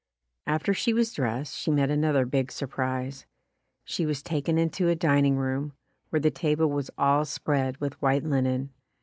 After she was dressed, she met another big sur prise. She was taken into a dining room, where the table was all spread with white linen.